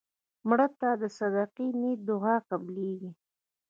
مړه ته د صدق نیت دعا قبلیږي